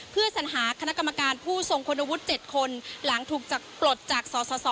เพื่อสัญหาคณะกรรมการผู้ทรงคุณวุฒิ๗คนหลังถูกจากปลดจากสส